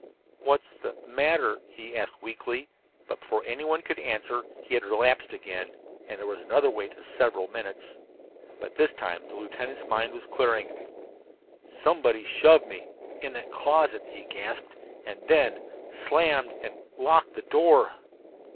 "What's the matter?" he asked weakly; but before anyone could answer he had relapsed again, and there was another wait of several minutes. But this time the lieutenant's mind was clearing. "Somebody shoved me in that closet," he gasped, "and then slammed and locked the door."